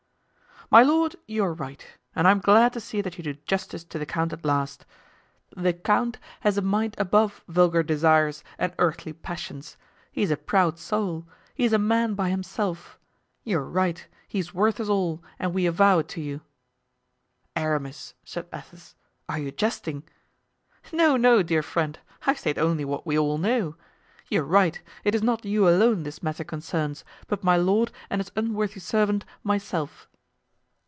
"My lord, you are right, and I am glad to see that you do justice to the count at last. The count has a mind above vulgar desires and earthly passions. He is a proud soul—he is a man by himself! You are right—he is worth us all, and we avow it to you!" "Aramis," said Athos, "are you jesting?" "No, no, dear friend; I state only what we all know. You are right; it is not you alone this matter concerns, but my lord and his unworthy servant, myself."